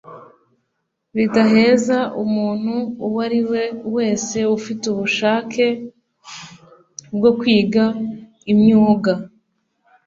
ridaheza umuntu uwariwe wese ufite ubushake bwo kwiga imyuga